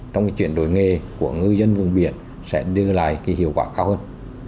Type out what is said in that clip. trong chuyển đổi nghề của ngư dân vùng biển sẽ đưa lại hiệu quả cao hơn